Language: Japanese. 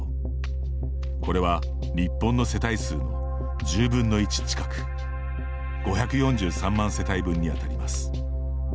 これは、日本の世帯数の１０分の１近く５４３万世帯分に当たります。